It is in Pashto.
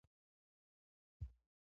هلک چېرته روان دی ؟